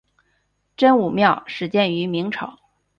真武庙始建于明朝。